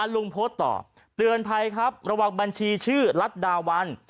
โพสต์ต่อเตือนภัยครับระวังบัญชีชื่อรัฐดาวัน